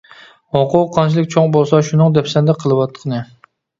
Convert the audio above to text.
ھوقۇق قانچىلىك چوڭ بولسا شۇنىڭ دەپسەندە قىلىۋاتقىنى.